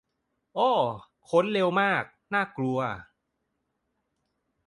โอ้ ค้นเร็วมาก น่ากลัว